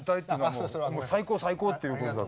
もう「最高最高」っていうこと。